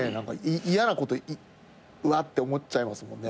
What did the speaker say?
嫌なことうわっ！って思っちゃいますもんね。